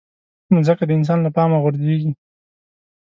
مځکه د انسان له پامه غورځيږي.